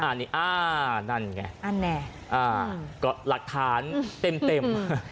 อ่านี่อ่านั่นไงอันแหน่อ่าก็หลักฐานเต็มค่ะ